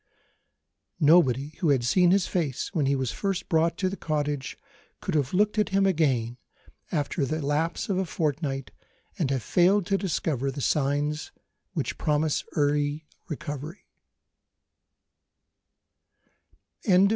Nobody who had seen his face, when he was first brought to the cottage, could have looked at him again, after the lapse of a fortnight, and have failed to discover the signs which promise recovery of health.